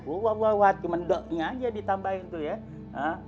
buat buat kemendoknya aja ditambahin tuh ya